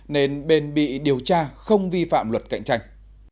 nên bên bị điều tra không vi phạm luật cạnh tranh